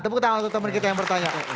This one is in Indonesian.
tepuk tangan untuk teman kita yang bertanya